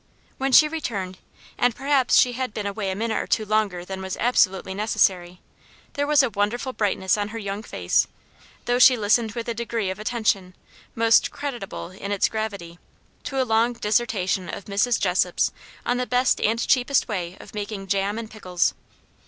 When she returned, and perhaps she had been away a minute or two longer than was absolutely necessary, there was a wonderful brightness on her young face; though she listened with a degree of attention, most creditable in its gravity, to a long dissertation of Mrs. Jessop's on the best and cheapest way of making jam and pickles.